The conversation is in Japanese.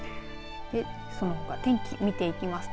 そのほか天気見ていきますと